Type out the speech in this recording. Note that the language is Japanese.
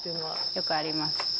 よくあります。